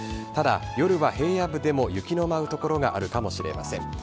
ただ、夜は平野部でも雪の舞う所があるかもしれません。